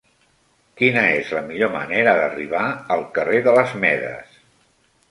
Quina és la millor manera d'arribar al carrer de les Medes?